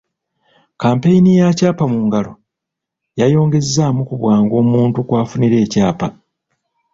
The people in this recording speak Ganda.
Kkampeyini ya ‘Kyapa mu Ngalo’ yayongezaamu ku bwangu omuntu kw’afunira ekyapa.